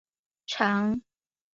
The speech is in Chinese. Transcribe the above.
常用于票据贴现。